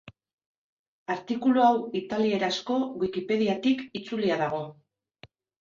Artikulu hau italierazko wikipediatik itzulia dago.